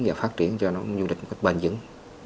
và phát triển cho nó du lịch bền dững